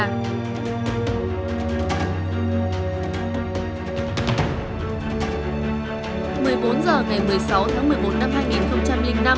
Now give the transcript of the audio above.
một mươi bốn giờ ngày một mươi sáu tháng một mươi bốn năm hai nghìn năm